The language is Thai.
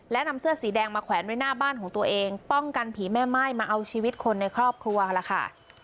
และนำเสื้อสีแดงมาแขวนไว้หน้าบ้านของตัวเองป้องกันผีแม่ม่ายมาเอาชีวิตคนในครอบครัวล่ะค่ะ